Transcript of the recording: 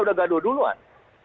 udah gaduh duluan